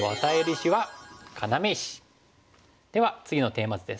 では次のテーマ図です。